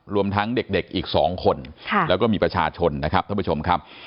รวมทั้งเด็กอีก๒คนแล้วก็มีประชาชนนะครับท่านผู้ชมครับ